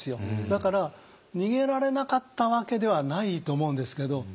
だから逃げられなかったわけではないと思うんですけど。